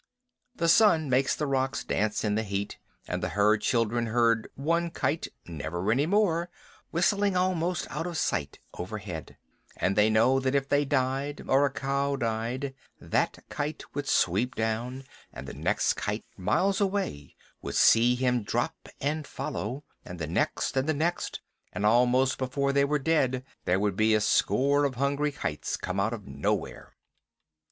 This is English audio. The sun makes the rocks dance in the heat, and the herd children hear one kite (never any more) whistling almost out of sight overhead, and they know that if they died, or a cow died, that kite would sweep down, and the next kite miles away would see him drop and follow, and the next, and the next, and almost before they were dead there would be a score of hungry kites come out of nowhere.